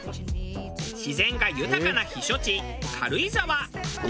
自然が豊かな避暑地軽井沢。